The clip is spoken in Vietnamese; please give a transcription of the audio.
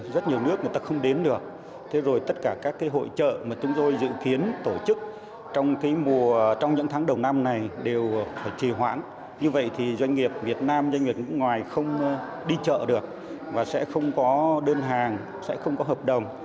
việt nam doanh nghiệp nước ngoài không đi chợ được và sẽ không có đơn hàng sẽ không có hợp đồng